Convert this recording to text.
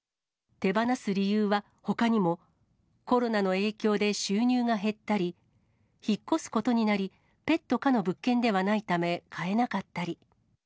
手放す理由はほかにも、コロナの影響で収入が減ったり、引っ越すことになり、ペット可の物件ではないため、飼えなかったり。